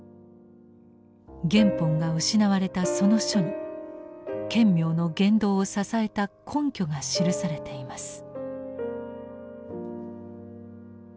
原本が失われたその書に顕明の言動を支えた根拠が記されています。